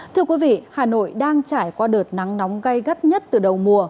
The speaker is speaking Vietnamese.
thưa quý vị hà nội đang trải qua đợt nắng nóng gây gắt nhất từ đầu mùa